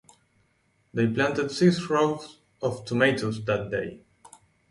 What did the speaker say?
They planted six rows of tomatoes that day.